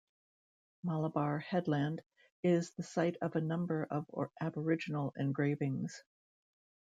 Malabar Headland is the site of a number of Aboriginal engravings.